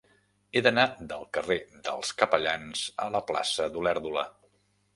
He d'anar del carrer dels Capellans a la plaça d'Olèrdola.